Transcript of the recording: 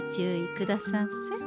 くださんせ。